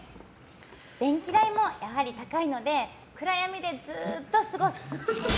電気代も高いので暗闇でずっと過ごす。